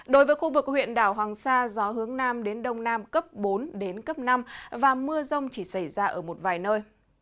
đối với khu vực huyện đảo hoàng sa gió hướng nam đến đông nam cấp bốn đến cấp năm và mưa rông chỉ xảy ra ở một vài nơi